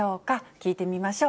聞いてみましょう。